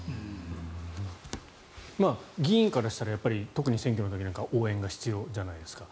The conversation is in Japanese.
議員からしたら特に選挙の時なんかは応援が必要じゃないですか。